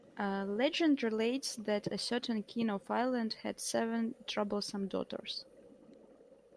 Legend relates that a certain king of Ireland had seven troublesome daughters.